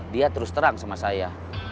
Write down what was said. dia terus terang sama saya